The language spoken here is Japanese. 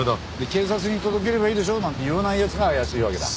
警察に届ければいいでしょなんて言わない奴が怪しいわけだ。